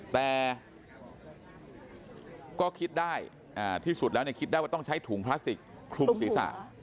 แต่ก็คิดได้ที่สุดแล้วคิดได้ว่าต้องใช้ถุงพลาสติกคลุมศีรษะ